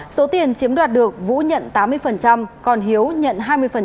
số tiền chiếm đoạt được vũ nhận tám mươi còn hiếu nhận hai mươi